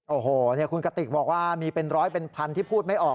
โอ้โหคุณกติกบอกว่ามีเป็นร้อยเป็นพันที่พูดไม่ออก